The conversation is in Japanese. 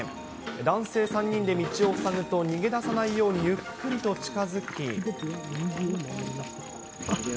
男性３人で道を塞ぐと、逃げ出さないようにゆっくりと近づき。